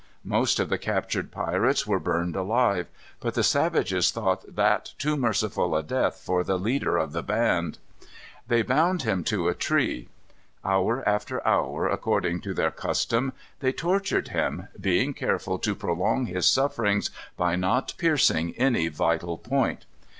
Most of the captured pirates were burned alive. But the savages thought that too merciful a death for the leader of the band. They bound him to a tree. Hour after hour, according to their custom, they tortured him, being careful to prolong his sufferings by not piercing any vital point.